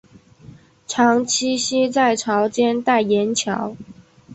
常栖息在潮间带岩礁。